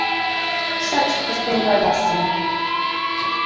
Such has been your destiny.